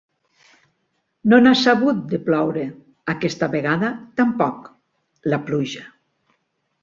No n’ha sabut, de ploure, aquesta vegada, tampoc, la pluja.